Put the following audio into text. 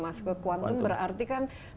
masuk ke kuanton berarti kan